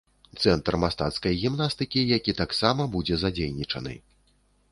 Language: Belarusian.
Цэнтр мастацкай гімнастыкі, які таксама будзе задзейнічаны.